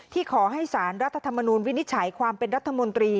ขอให้สารรัฐธรรมนูลวินิจฉัยความเป็นรัฐมนตรี